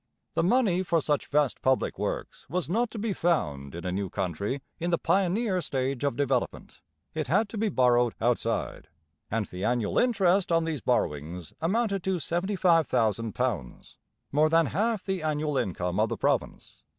The money for such vast public works was not to be found in a new country in the pioneer stage of development; it had to be borrowed outside; and the annual interest on these borrowings amounted to £75,000, more than half the annual income of the province.